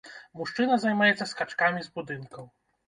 Мужчына займаецца скачкамі з будынкаў.